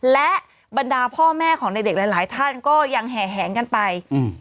และบรรดาพ่อแม่ของในเด็กหลายท่านก็ยังแห่งกันไป